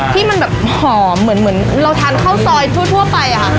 ที่มันแบบหอมเหมือนเราทานข้าวซอยทั่วไปอะค่ะ